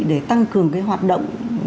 để tăng cường hoạt động